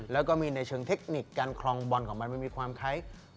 แล้วก็มีในเชิงเทคนิคการคลองบอลของมันมันมีความคล้าย